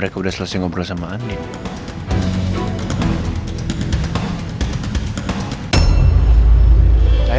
mereka bisa berpangsa bersama kita udah sempat luluhur